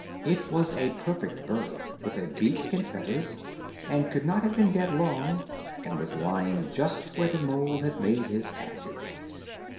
It was a perfect bird, with a beak and feathers, and could not have been dead long, and was lying just where the mole had made his passage.